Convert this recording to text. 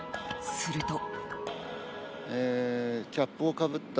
すると。